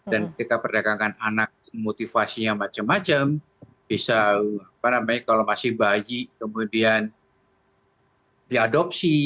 dan ketika perdagangan anak motivasinya macam macam bisa apa namanya kalau masih bayi kemudian diadopsi